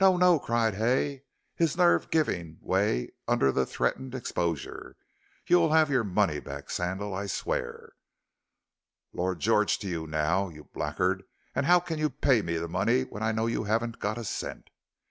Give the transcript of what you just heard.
no!" cried Hay, his nerve giving way under the threatened exposure; "you'll have your money back, Sandal, I swear." "Lord George to you now, you blackguard; and how can you pay me the money when I know you haven't got a cent?"